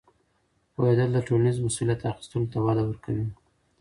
پوهېدل د ټولنیزې مسؤلیت اخیستلو ته وده ورکوي.